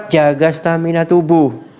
jaga stamina tubuh